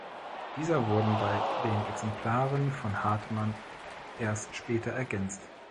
Dieser wurden bei den Exemplaren von Hartmann erst später ergänzt.